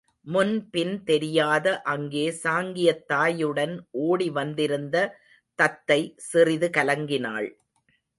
முன்பின் தெரியாத அங்கே சாங்கியத் தாயுடன் ஓடி வந்திருந்த தத்தை சிறிது கலங்கினாள்.